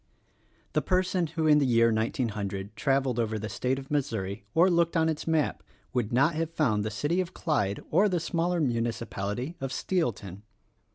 The person who in the year 1900 traveled over the state of Missouri, or looked on its map, would not have found the city of Clyde or the smaller municipality of Steelton.